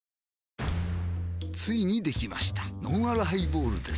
ついにできましたのんあるハイボールです